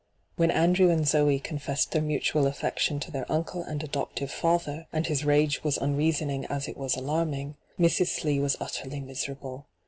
When Andrew and Zoe confessed their mutual affection to their uncle, and adoptive father, and his rage was unreasoning as it was alarming, Mrs. Slee was utterly miserable.